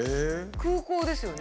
空港ですよね？